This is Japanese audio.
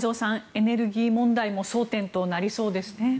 エネルギー問題も争点となりそうですね。